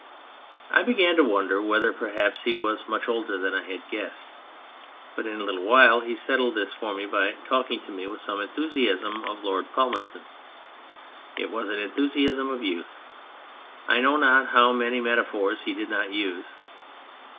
I began to wonder whether perhaps he was much older than I had guessed, but in a little while he settled this for me by talking to me with some enthusiasm of Lord Palmerston. It was an enthu siasm of youth. I know not how many metaphors he did not use.